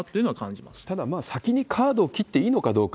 ただ、先にカードを切っていいのかどうか。